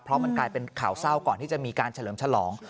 เพราะมันกลายเป็นข่าวเศร้าก่อนที่จะมีการเฉลิมฉลอง